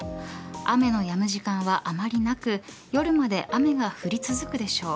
雨の止む時間はあまりなく夜まで雨が降り続くでしょう。